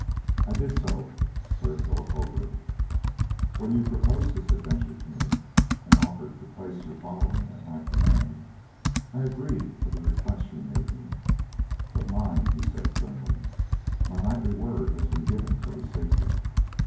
"I did so, Sir Phillip Holbeaut. When you proposed this adventure to me, and offered to place your following at my command, I agreed to the request you made me; but mind," he said sternly, "my knightly word has been given for his safety.